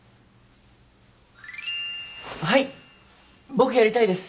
僕やりたいです。